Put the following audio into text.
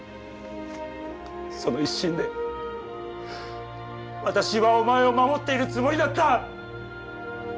その一心で私はお前を守っているつもりだった！